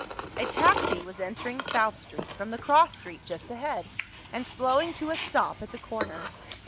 A taxi was entering South Street from the cross street just ahead and slowing to a stop at the corner.